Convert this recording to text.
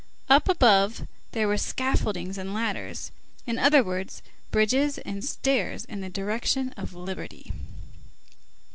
Up above there were scaffoldings and ladders; in other words, bridges and stairs in the direction of liberty.